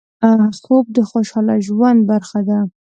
خوب د خوشحال ژوند برخه ده